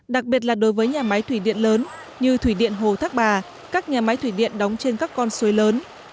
đặc biệt là đối với nhà máy thủy điện lớn như thủy điện hồ thác bà các nhà máy thủy điện đóng trên các con suối lớn